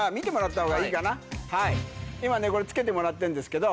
今ねこれつけてもらってるんですけど